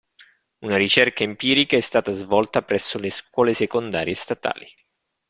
Una ricerca empirica è stata svolta presso le scuole secondarie statali.